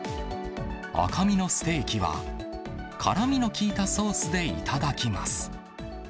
赤身のステーキは、辛みの効いたソースで頂きます。